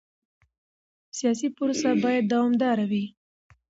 سیاسي پروسه باید دوامداره وي